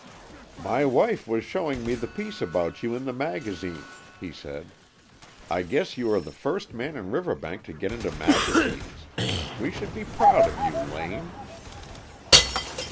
"My wife was showing me the piece about you in the magazine," he said. "I guess you are the first man in Riverbank to get into magazines. We should be proud of you, Lane."